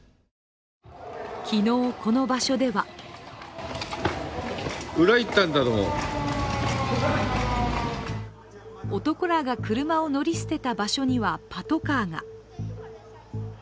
昨日、この場所では男らが車を乗り捨てた場所にはパトカーが。